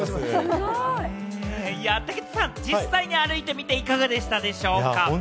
武田さん、実際に歩いてみていかがでしたでしょうか？